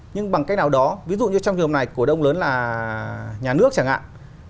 nhưng bằng cách nào đó ví dụ như trong trường hợp này cổ đông lớn là nhà nước chẳng hạn